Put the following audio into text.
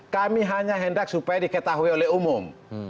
kami hanya hendak supaya diketahui oleh umum